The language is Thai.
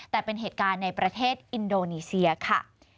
แต่เป็นเหตุการณ์ในประเทศอินโดนีเซียค่ะ